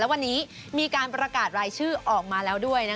วันนี้มีการประกาศรายชื่อออกมาแล้วด้วย